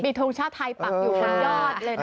มีทุกชาติไทยปักอยู่ข้างยอดเลยนะครับ